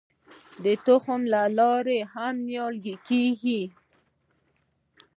د تخم له لارې هم نیالګي کیږي.